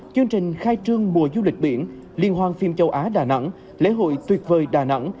chương trình khai trương mùa du lịch biển liên hoan phim châu á đà nẵng lễ hội tuyệt vời đà nẵng